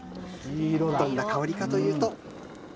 どんな香りかというと。